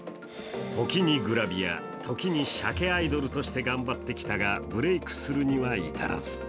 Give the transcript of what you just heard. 時にグラビア、時に鮭アイドルとして頑張ってきたが、ブレイクするには至らず。